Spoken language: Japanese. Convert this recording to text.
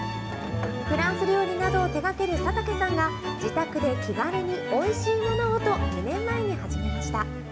フランス料理などを手がける佐竹さんが、自宅で気軽においしいものをと、２年前に始めました。